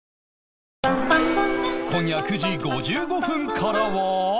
今夜９時５５分からは